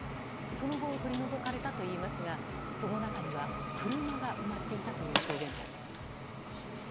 その後取り除かれたといいますがその中には車が埋まっていたという証言も。